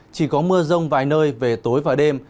chỉ có mưa rông vài nơi về tối và đêm